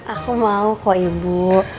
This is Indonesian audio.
aku mau kok ibu